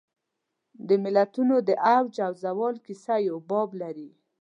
د ملتونو د عروج او زوال کیسه یو باب لري.